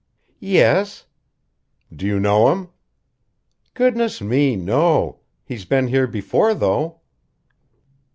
"Yes." "Do you know him?" "Goodness me, no! He's been here before, though."